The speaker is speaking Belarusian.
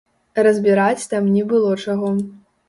Разбіраць там не было чаго.